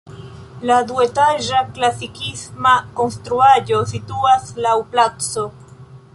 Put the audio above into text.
La duetaĝa klasikisma konstruaĵo situas laŭ placo.